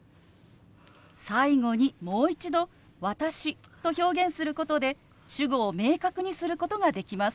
最後にもう一度「私」と表現することで主語を明確にすることができます。